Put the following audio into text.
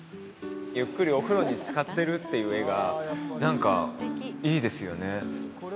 ゆっくりお風呂につかってるっていう絵が何かいいですよね